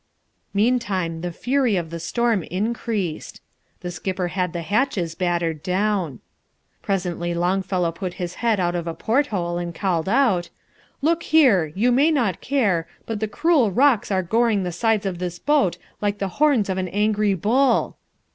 Meantime the fury of the storm increased. The skipper had the hatches battered down. Presently Longfellow put his head out of a porthole and called out, "Look here, you may not care, but the cruel rocks are goring the sides of this boat like the horns of an angry bull."